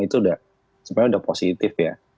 itu sebenarnya sudah positif ya